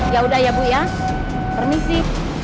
yaudah ya bu ya permisi